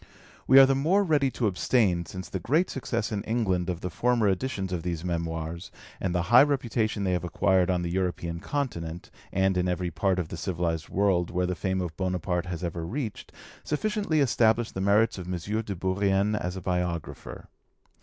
We are the more ready to abstain since the great success in England of the former editions of these Memoirs, and the high reputation they have acquired on the European Continent, and in every part of the civilised world where the fame of Bonaparte has ever reached, sufficiently establish the merits of M. de Bourrienne as a biographer.